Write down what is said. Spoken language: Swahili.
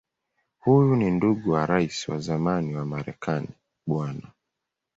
Huyu ni ndugu wa Rais wa zamani wa Marekani Bw.